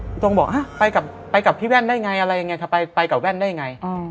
พี่โต้งบอกไปกับพี่แว่นได้ไงอะไรไงไปกับแว่นได้ไง